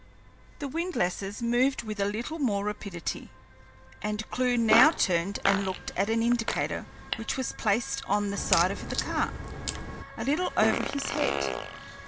The windlasses moved with a little more rapidity, and Clewe now turned and looked at an indicator which was placed on the side of the car, a little over his head.